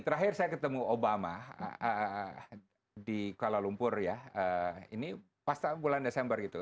terakhir saya ketemu obama di kuala lumpur ya ini pas bulan desember gitu